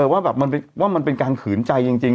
ว่ามันเป็นการขืนใจจริง